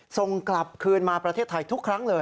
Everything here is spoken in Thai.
ส่งกลับคืนมาประเทศไทยทุกครั้งเลย